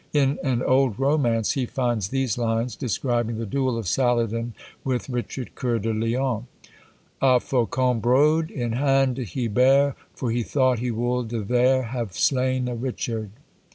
In an old romance he finds these lines, describing the duel of Saladin with Richard Coeur de Lion: A Faucon brode in hande he bare, For he thought he wolde thare Have slayne Richard.